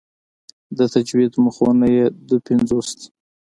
د تجوید مخونه یې دوه پنځوس دي.